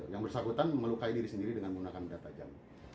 yang bersangkutan melukai diri sendiri dengan menggunakan benda tajam